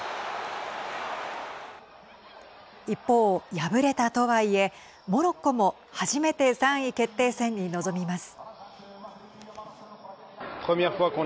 一方、敗れたとはいえモロッコも初めて３位決定戦に臨みます。